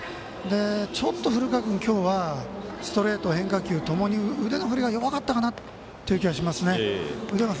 ちょっと古川君、今日はストレート、変化球ともに腕の振りが弱かったかなという気がしますね。